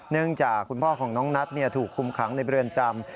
เนื่องจากคุณพ่อของน้องนัทถูกคุมขังในเรือนจำ